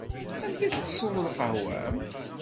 Amek i tsesseḍ lqahwa-m?